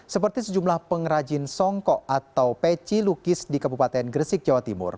seperti sejumlah pengrajin songkok atau peci lukis di kabupaten gresik jawa timur